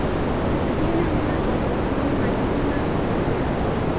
Tiene una concesión marítima costera.